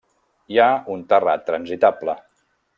Hi ha un terrat transitable.